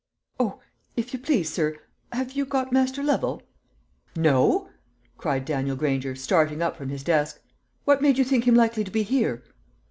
"O, if you please, sir, have you got Master Lovel?" "No," cried Daniel Granger, starting up from his desk. "What made you think him likely to be here?"